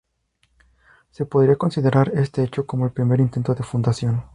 Se podría considerar este hecho como el primer intento de fundación.